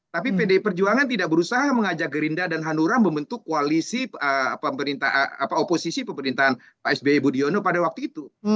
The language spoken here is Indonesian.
tapi pdi perjuangan tidak berusaha mengajak gerindra dan hanura membentuk koalisi pemerintahan pak sby budiono pada waktu itu